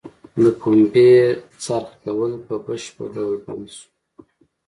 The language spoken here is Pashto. د پنبې څرخ کول په بشپړه ډول بند شو.